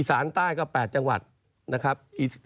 สารใต้ก็๘จังหวัดนะครับ